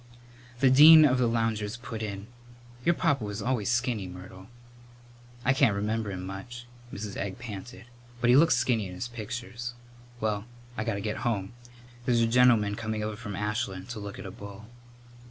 The dean of the loungers put in, "Your papa was always skinny, Myrtle." "I can't remember him much," Mrs. Egg panted, "but he looks skinny in his pictures. Well, I got to get home. There's a gentleman coming over from Ashland to look at a bull."